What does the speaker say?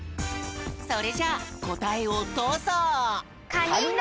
それじゃあこたえをどうぞ！